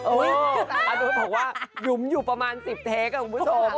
เออประตูน้องบอกว่าหยุมอยู่ประมาณสิบเทคอะคุณผู้ชม